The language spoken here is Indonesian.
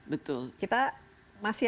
betul kita masih